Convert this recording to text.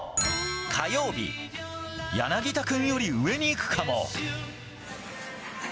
火曜日柳田君より上にいくかも。